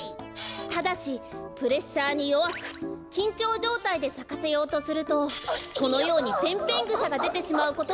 ただしプレッシャーによわくきんちょうじょうたいでさかせようとするとこのようにペンペングサがでてしまうこともあります。